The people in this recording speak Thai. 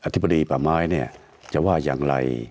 ธิบดีป่าไม้เนี่ยจะว่าอย่างไร